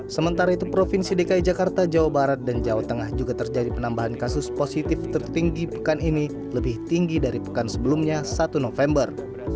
sementara itu provinsi dki jakarta jawa barat dan jawa tengah juga terjadi penambahan kasus positif tertinggi pekan ini lebih tinggi dari pekan sebelumnya satu november